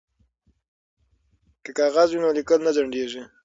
که کاغذ وي نو لیکل نه ځنډیږي.